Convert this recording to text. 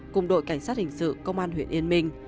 cùng đội cảnh sát hình sự công an huyện yên minh